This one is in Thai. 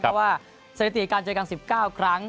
เพราะว่าสถิติการเจอกัน๑๙ครั้ง